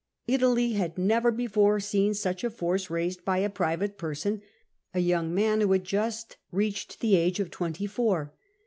Italy had never before seen such a force raised by a private person, a young man who had but just reached the age of twenty four.